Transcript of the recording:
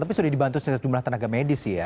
tapi sudah dibantu sejumlah tenaga medis sih ya